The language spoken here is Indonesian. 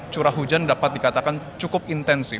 curah hujan dapat dikatakan cukup intensif